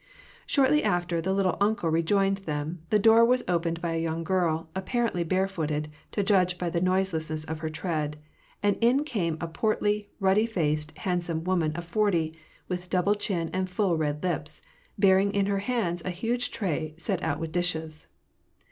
Shortly after the " little uncle '' rejoined them, the door was opened by a young girl, apparently barefooted, to judge by the noiselessness of her tread ; and in came a portly, ruddy faced, handsome woman of forty, with double chin, and full red lips, bearing in her hands a huge tray set out with dishes.